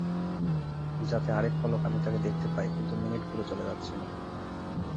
যাতে আরেক পলক আমি তাকে দেখতে পাই, কিন্তু মিনিটগুলো চলে যাচ্ছিলো।